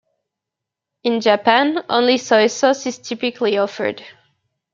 In Japan, only soy sauce is typically offered.